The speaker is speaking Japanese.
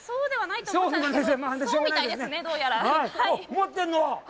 持ってるのは？